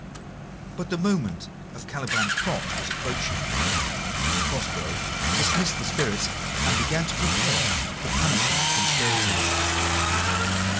But the moment of Caliban's plot was approaching. Prospero dismissed the spirits, and began to prepare for punishing the conspirators.